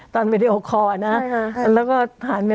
ตอนวิดีโอคอร์นะใช่ค่ะแล้วก็สันปรกปรักเป็นมา